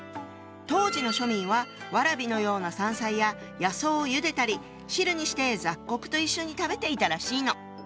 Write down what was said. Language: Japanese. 当時の庶民はワラビのような山菜や野草をゆでたり汁にして雑穀と一緒に食べていたらしいの。